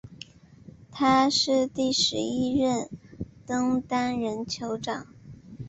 他是第十一任登丹人酋长。